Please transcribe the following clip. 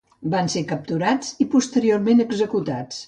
Van ser capturats i posteriorment executats.